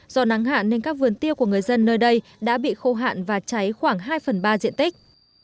do nắng hạn nên các vườn tiêu của người dân nơi đây đã bị khô hạn và cháy khoảng hai phần ba diện tích